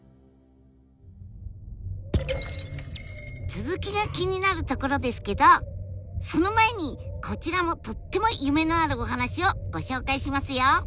続きが気になるところですけどその前にこちらもとっても夢のあるお話をご紹介しますよ。